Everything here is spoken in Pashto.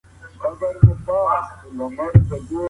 ریښتونولي ولې د څېړونکي شعار دی؟